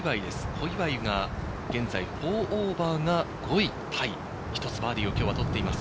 小祝が現在、＋４が５位タイ、１つバーディーを今日は取っています。